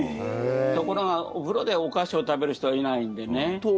ところがお風呂でお菓子を食べる人はいないんでね。